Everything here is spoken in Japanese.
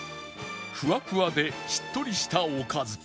ふわふわでしっとりしたおかず